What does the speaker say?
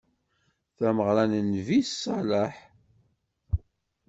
D tameɣra n Nnbi ṣṣaleḥ.